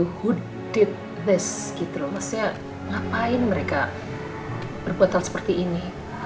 who did this gitu loh maksudnya ngapain mereka berbuat hal seperti ini